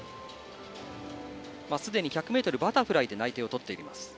すでに１００ｍバタフライで内定をとっています。